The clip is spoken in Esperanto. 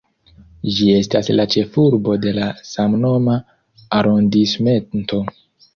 Ĝi estas la ĉefurbo de la samnoma arondismento.